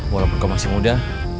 walaupun kau masih muda